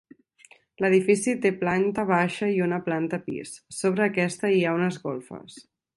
L'edifici té planta baixa i una planta pis, sobre aquesta hi ha unes golfes.